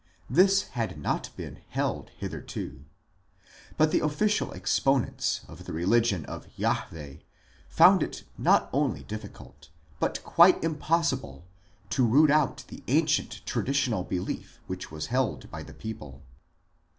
This had not been held hitherto. But the official exponents of the religion of Jahwe found it not only difficult, but quite impossible, to root out the ancient traditional belief which was held by the people.